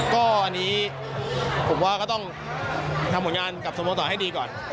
ก็อันนี้ผมว่าก็ต้องทำผลงานกับสโมสรให้ดีก่อน